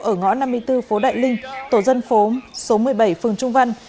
ở ngõ năm mươi bốn phố đại linh tổ dân phố số một mươi bảy phường trung văn